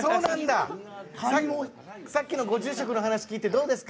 さっきのご住職の話聞いてどうですか？